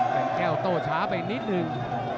แต่งแก้วโต้ช้าไปนิดนึง